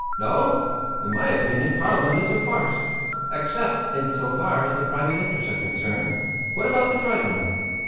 "No! In my opinion Parliament is a farce, except in so far as private interests are concerned. What about the 'Triton'?"